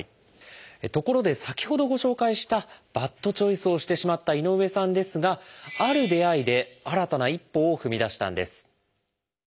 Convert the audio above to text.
ところで先ほどご紹介したバッドチョイスをしてしまった井上さんですがある出会いで新たな一歩を踏み出したんです。